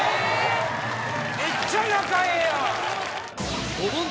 めっちゃ仲ええやん！